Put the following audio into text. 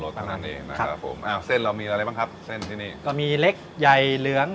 เดี๋ยวผมไปนั่งรออีกตรง